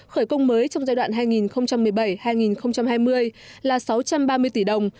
khởi công mới trong giai đoạn hai nghìn một mươi bảy hai nghìn hai mươi là sáu trăm ba mươi tỷ đồng